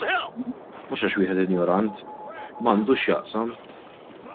Mhux għax wieħed injorant; m'għandux x'jaqsam!